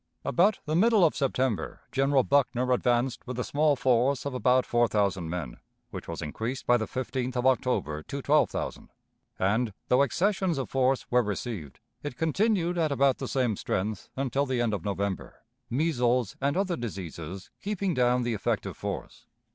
"About the middle of September General Buckner advanced with a small force of about four thousand men, which was increased by the 15th of October to twelve thousand; and, though accessions of force were received, it continued at about the same strength until the end of November measles and other diseases keeping down the effective force.